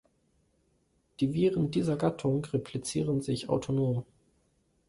Die Viren dieser Gattung replizieren sich autonom.